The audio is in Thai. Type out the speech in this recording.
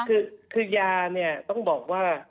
คือคือยาต้องบอกว่า